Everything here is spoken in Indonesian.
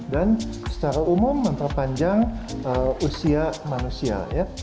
dan secara umum memperpanjang usia manusia